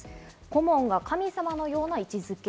顧問が神様のような位置付け。